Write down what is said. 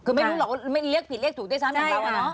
คือไม่รู้หรอกว่าไม่เรียกผิดเรียกถูกได้ซ้ำเหมือนเรา